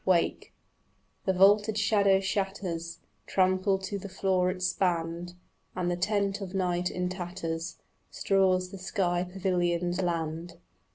Wake: the vaulted shadow shatters, Trampled to the floor it spanned, And the tent of night in tatters Straws the sky pavilioned land.